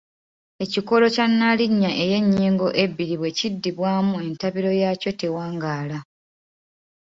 Ekikolo kya nnaalinnya ey’ennyingo ebbiri bwe kiddibwamu entabiro yaakyo tewangaala.